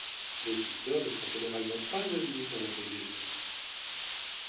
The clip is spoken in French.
Les visiteurs ne sont généralement pas admis dans l'abbaye elle-même.